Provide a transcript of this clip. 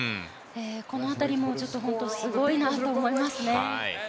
この辺りも本当、すごいなと思いますね。